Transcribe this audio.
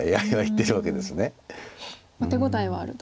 手応えはあると。